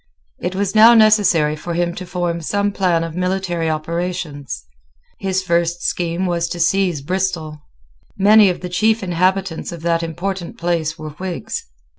It was now necessary for him to form some plan of military operations. His first scheme was to seize Bristol. Many of the chief inhabitants of that important place were Whigs.